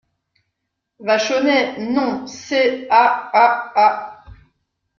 Vachonnet Non ! ses … a … a … a …